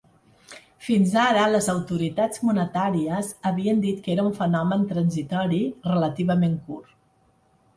Fins ara, les autoritats monetàries havien dit que era un fenomen transitori relativament curt.